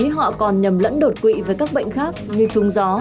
họ còn nhầm lẫn đột quỵ với các bệnh khác như trung gió